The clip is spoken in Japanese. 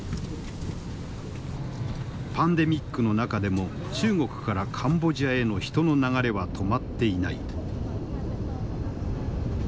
パンデミックの中でも中国からカンボジアへの人の流れは止まっていない。